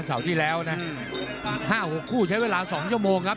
เสาร์ที่แล้วนะ๕๖คู่ใช้เวลา๒ชั่วโมงครับ